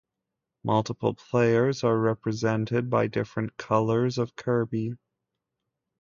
Multiple players are represented by different colors of Kirby.